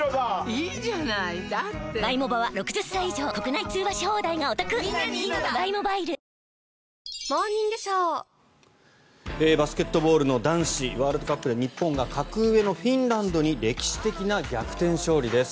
いいじゃないだってバスケットボールの男子ワールドカップで日本が格上のフィンランドに歴史的な逆転勝利です。